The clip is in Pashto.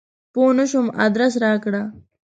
پوه نه شوم ادرس راکړه !